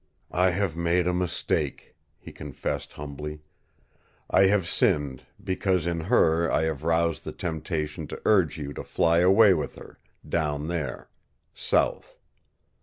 "I have made a mistake," he confessed humbly. "I have sinned, because in her I have roused the temptation to urge you to fly away with her down there south.